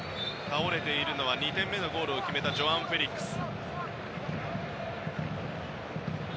倒れているのは２点目のゴールを決めたジョアン・フェリックス。